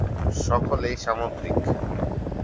সকলেই সামুদ্রিক।